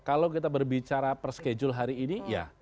kalau kita berbicara perschedule hari ini ya